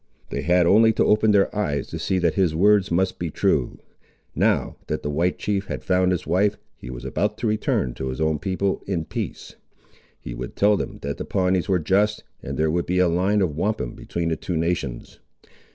They had only to open their eyes to see that his words must be true. Now, that the white chief had found his wife, he was about to return to his own people in peace. He would tell them that the Pawnees were just, and there would be a line of wampum between the two nations.